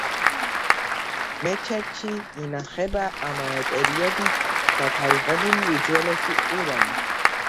მეჩეთში ინახება ამავე პერიოდით დათარიღებული უძველესი ყურანი.